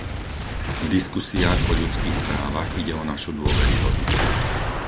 V diskusiách o ľudských právach ide o našu dôveryhodnosť.